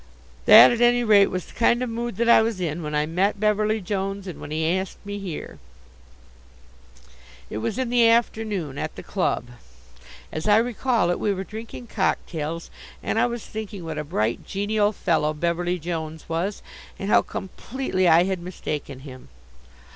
That at any rate was the kind of mood that I was in when I met Beverly Jones and when he asked me here. It was in the afternoon, at the club. As I recall it, we were drinking cocktails and I was thinking what a bright, genial fellow Beverly Jones was, and how completely I had mistaken him.